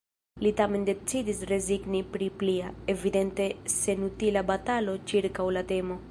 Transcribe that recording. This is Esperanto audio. Li tamen decidis rezigni pri plia, evidente senutila batalo ĉirkaŭ la temo.